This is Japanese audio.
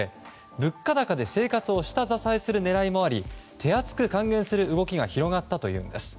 物価高で生活を下支えする狙いもあり手厚く還元する動きが広がったということです。